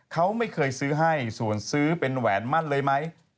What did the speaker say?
เขาไม่เคยซื้อให้ส่วนซื้อเป็นแหวนมั่นเลยไหม